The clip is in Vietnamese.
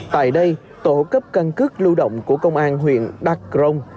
tại đây tổ cấp căn cứ lưu động của công an huyện đắk rông